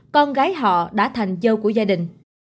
con gái họ đã thành dâu của gia đình